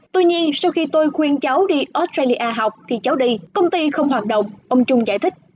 tuy nhiên sau khi tôi khuyên cháu đi australia học thì cháu đi công ty không hoạt động ông trung giải thích